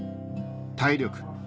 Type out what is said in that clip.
体力